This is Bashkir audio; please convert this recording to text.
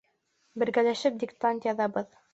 Бергәләшеп диктант яҙабыҙ.